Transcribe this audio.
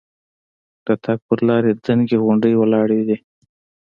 د تګ پر لارې دنګې غونډۍ ولاړې دي.